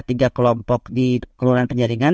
tiga kelompok di kelurahan penjaringan